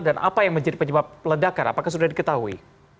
dan apa yang menjadi penyebab ledakan apakah sudah diketahui